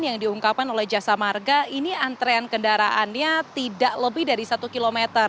yang diungkapkan oleh jasa marga ini antrean kendaraannya tidak lebih dari satu km